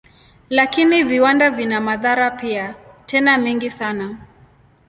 Lakini viwanda vina madhara pia, tena mengi sana.